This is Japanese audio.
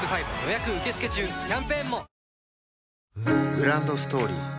グランドストーリー